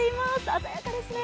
鮮やかですね。